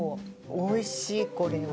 おいしいこれは。